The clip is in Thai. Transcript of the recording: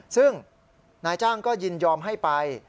ซึ่งนายจ้างก็ยินยอมให้ไป